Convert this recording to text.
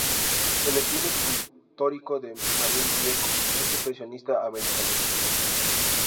El estilo escultórico de Marín Vieco es expresionista americanista.